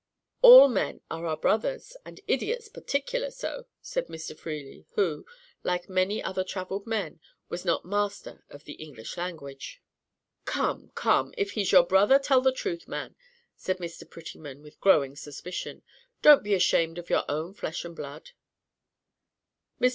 "All men are our brothers, and idiots particular so," said Mr. Freely, who, like many other travelled men, was not master of the English language. "Come, come, if he's your brother, tell the truth, man," said Mr. Prettyman, with growing suspicion. "Don't be ashamed of your own flesh and blood." Mr.